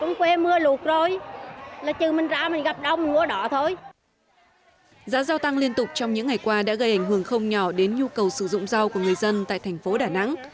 giá giao tăng liên tục trong những ngày qua đã gây ảnh hưởng không nhỏ đến nhu cầu sử dụng rau của người dân tại thành phố đà nẵng